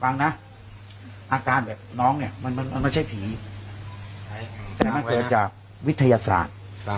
น้องเนี้ยมันมันมันไม่ใช่ผีแต่มันเกิดจากวิทยาศาสตร์